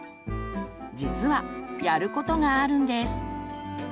実はやることがあるんです。